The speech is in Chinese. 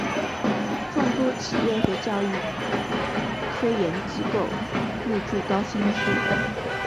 众多企业和教育科研机构入驻高新区。